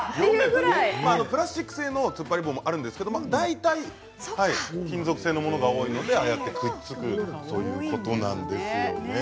プラスチック製のつっぱり棒もあるんですが大体、金属製のものが多いのでああやってくっつくということなんですよね。